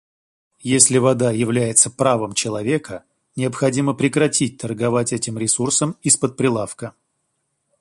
Если вода является правом человека, необходимо прекратить торговать этим ресурсом из-под прилавка.